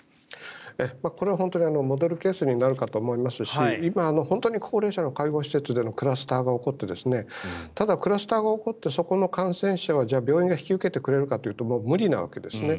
これはモデルケースになるかと思いますし今、本当に高齢者の介護施設でのクラスターが起こってただ、クラスターが起こってそこの感染者は病院が引き受けてくれるかというともう無理なわけですね。